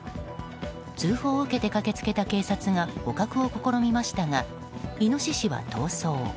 通報を受けて駆け付けた警察が捕獲を試みましたがイノシシは逃走。